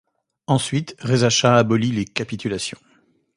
Ensuite, Reza Chah abolit les capitulations.